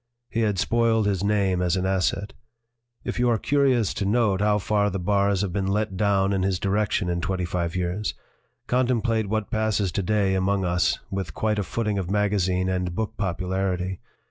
He had spoiled his name as an asset. If you are curious to note how far the bars have been let down in his direction in twenty five years, contemplate what passes to day among us with quite a footing of magazine and book popularity.